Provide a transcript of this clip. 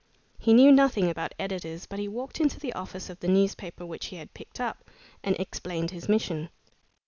He knew nothing about editors, but he walked into the office of the newspaper which he had picked up, and explained his mission.